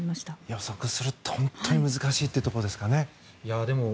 予測するって本当に難しいところですかね。